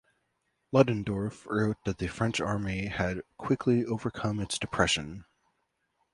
Ludendorff wrote that the French army had "quickly overcome its depression".